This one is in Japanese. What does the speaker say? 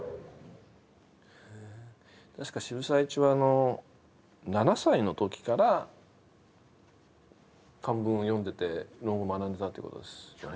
確か渋沢栄一は７歳の時から漢文を読んでて「論語」学んでたということですよね。